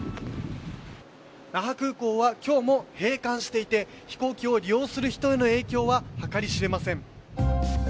那覇空港は今日も閉館していて飛行機を利用する人への影響は計り知れません。